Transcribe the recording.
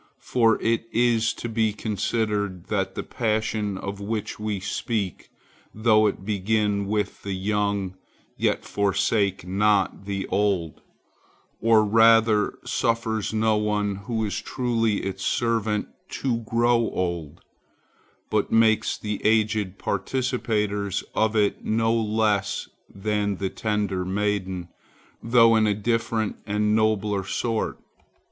For it is to be considered that this passion of which we speak, though it begin with the young, yet forsakes not the old, or rather suffers no one who is truly its servant to grow old, but makes the aged participators of it not less than the tender maiden, though in a different and nobler sort.